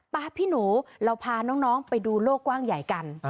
พี่หนูเราพาน้องไปดูโลกกว้างใหญ่กัน